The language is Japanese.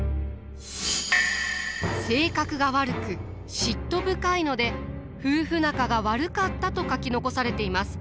性格が悪く嫉妬深いので夫婦仲が悪かったと書き残されています。